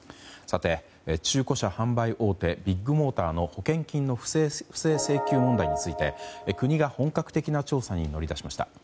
中古車販売大手ビッグモーターの保険金の不正請求問題について国が本格的な調査に乗り出しました。